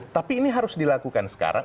tapi ini harus dilakukan sekarang